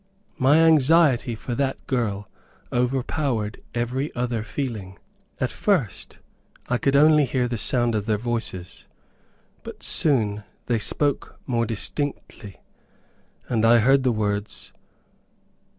My anxiety for that girl overpowered every other feeling. At first I could only hear the sound of their voices; but soon they spoke more distinctly, and I heard the words.